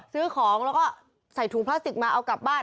ซื้อของแล้วก็ใส่ถุงพลาสติกมาเอากลับบ้าน